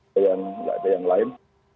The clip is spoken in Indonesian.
tidak ada yang lain